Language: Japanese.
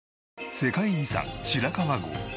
世界遺産白川郷。